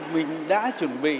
mình đã chuẩn bị